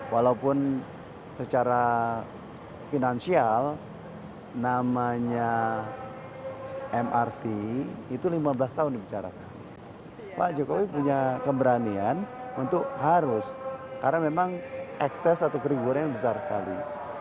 walaupun secara finansial namanya mrt itu lima belas tahun dibicarakan pak jokowi punya keberanian untuk harus karena memang ekses atau keriguran besar sekali